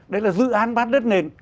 đấy là dự án bắt đất nền